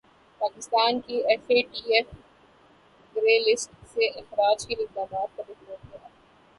پاکستان کے F A T F grey list سے اخراج کیلئے اقدامات پر رپورٹ تیار